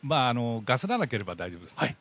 ガスらなければ大丈夫です。